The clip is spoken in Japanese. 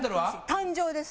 「誕生」です。